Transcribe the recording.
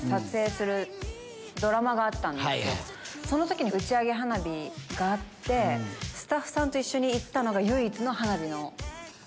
その時に打ち上げ花火があってスタッフさんと一緒に行ったのが。